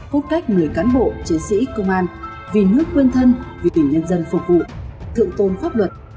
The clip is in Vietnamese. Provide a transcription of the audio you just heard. hút cách người cán bộ chiến sĩ công an vì nước quên thân vì tình nhân dân phục vụ thượng tôn pháp luật